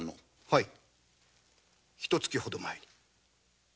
はいひと月ほど前に。